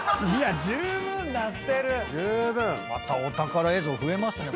またお宝映像増えましたね。